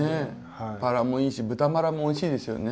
バラもいいし豚バラもおいしいですよね。